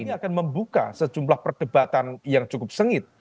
ini akan membuka sejumlah perdebatan yang cukup sengit